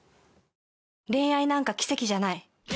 恋愛なんか奇跡じゃない。